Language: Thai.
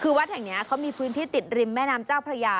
คือวัดแห่งนี้เขามีพื้นที่ติดริมแม่น้ำเจ้าพระยา